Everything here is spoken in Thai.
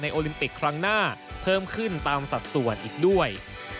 โอลิมปิกครั้งหน้าเพิ่มขึ้นตามสัดส่วนอีกด้วย